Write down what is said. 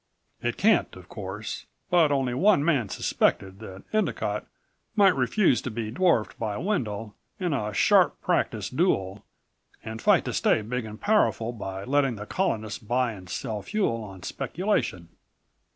It can't, of course, but only one man suspected that Endicott might refuse to be dwarfed by Wendel in a sharp practice duel and fight to stay big and powerful by letting the Colonists buy and sell fuel on speculation.